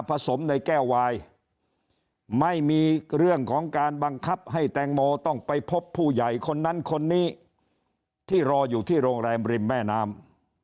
สมในแก้ววายไม่มีเรื่องของการบังคับให้แตงโมต้องไปพบผู้ใหญ่คนนั้นคนนี้ที่รออยู่ที่โรงแรมริมแม่น้ำ